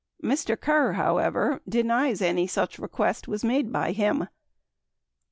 78 Mr. Kerr, however, denies any such request was made by him.